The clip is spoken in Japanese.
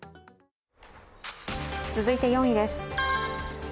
続いて４位です。